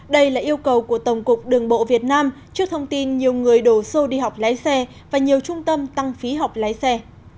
đây là yêu cầu của tổng cục đường bộ việt nam trước thông tin nhiều người đổ xô đi học lái xe và nhiều trung tâm tăng phí học lái xe